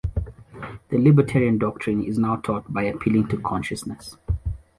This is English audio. The libertarian doctrine is now taught by appealing to consciousness.